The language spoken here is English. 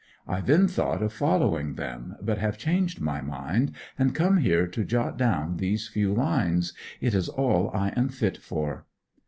I then thought of following them, but have changed my mind, and come here to jot down these few lines. It is all I am fit for